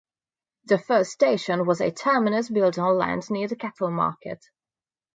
The first station was a terminus built on land near the cattle market.